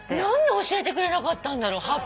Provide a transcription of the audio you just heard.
何で教えてくれなかったんだろう。